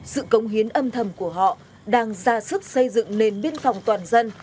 sự công hiến âm thầm của họ đang ra sức xây dựng nền biên phòng toàn dân